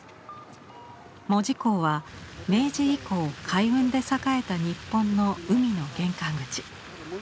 門司港は明治以降海運で栄えた日本の「海の玄関口」。